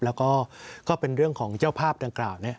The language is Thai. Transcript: แล้วก็ก็เป็นเรื่องของเจ้าภาพดังกล่าวนี้